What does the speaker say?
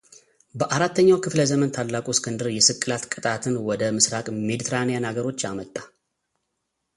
በአራተኛው ክፍለ ዘመን ታላቁ እስክንድር የስቅላት ቅጣትን ወደ ምሥራቅ ሜዲትራንያን አገሮች አመጣ።